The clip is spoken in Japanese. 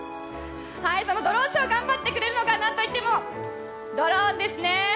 そのドローンショー頑張ってくれるのがなんといってもドローンですね。